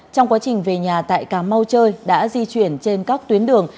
trong quá trình về nhà tại cà mau chơi đã di chuyển trên các tuyến đường